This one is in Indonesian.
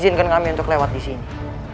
izinkan kami untuk lewat di sini